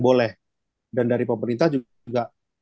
boleh dan dari pemerintah juga